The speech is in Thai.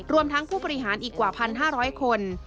รวมทั้งผู้บริหารอีกกว่า๑๕๐๐คน